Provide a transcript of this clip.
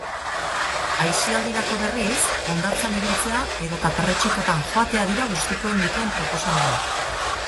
Aisialdirako, berriz, hondartzan ibiltzea edota perretxikotan joatea dira gustukoen dituen proposamenak.